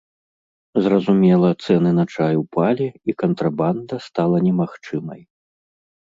Зразумела, цэны на чай упалі, і кантрабанда стала немагчымай.